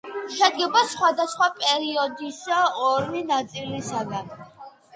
შედგება სხვადასხვა პერიოდის ორი ნაწილისაგან.